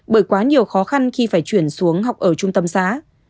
bởi quá nhiều khó khăn khi phải chuyển xuống học ở trung tâm xã